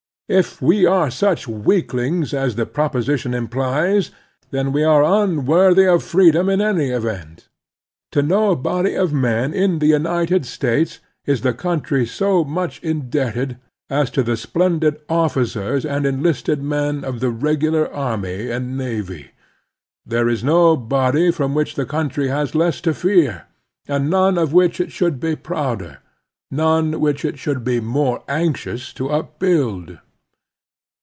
If we are such weaklings as tiie proposition implies, then we are unworthy of freedom in any event. To no body of men in the United States is the cotmtry so much indebted as to the splendid officers and enlisted men of the regular army and navy. There is no body from which the cotmtry has less to fear, and none of which it should be prouder, none which it should be more anxious to upbuild.